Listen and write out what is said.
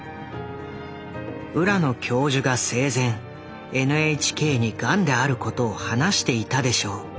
「浦野教授が生前ＮＨＫにがんであることを話していたでしょう。